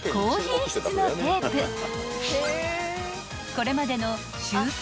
［これまでの修正